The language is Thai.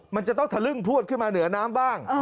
มันจะต้องทะลึ่งพลวดขึ้นมาเหนือน้ำบ้าง